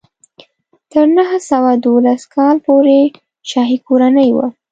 تر نهه سوه دولس کال پورې شاهي کورنۍ وه.